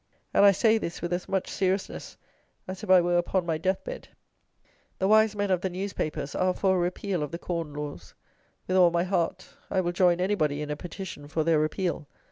And I say this with as much seriousness as if I were upon my death bed. The wise men of the newspapers are for a repeal of the Corn Laws. With all my heart. I will join anybody in a petition for their repeal.